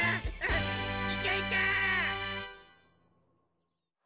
いけいけ！